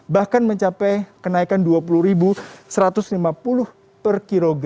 bahkan mencapai kenaikan rp dua puluh satu ratus lima puluh